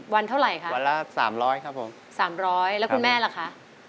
วันเท่าไหร่คะวันละสามร้อยครับผมสามร้อยแล้วคุณแม่ล่ะคะ